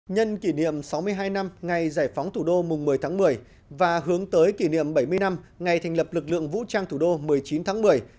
nhân kỷ niệm sáu mươi hai năm ngày giải phóng thủ đô mùng một mươi tháng một mươi và hướng tới kỷ niệm bảy mươi năm ngày thành lập lực lượng vũ trang thủ đô một mươi chín tháng một mươi